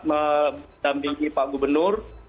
mengambil pak gubernur